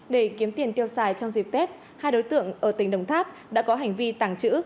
để kiếm tiền tiêu xài trong dịp tết hai đối tượng ở tỉnh đồng tháp đã có hành vi tàng trữ